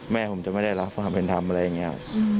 แม่ผมจะไม่ได้รับความเป็นธรรมอะไรอย่างนี้